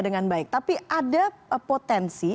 dengan baik tapi ada potensi